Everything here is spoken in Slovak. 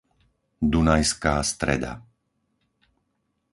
Dunajská Streda